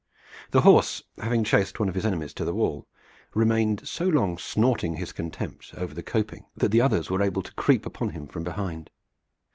The horse, having chased one of his enemies to the wall, remained so long snorting his contempt over the coping that the others were able to creep upon him from behind.